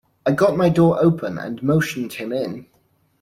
I got my door open and motioned him in.